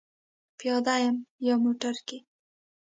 پیاده یم یا موټر کې؟